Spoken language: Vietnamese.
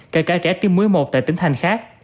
kể cả trẻ tiêm muối một tại tỉnh thành khác